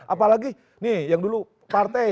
apalagi nih yang dulu partai